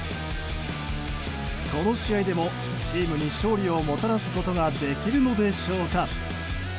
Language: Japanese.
この試合でもチームに勝利をもたらすことができるのでしょうか。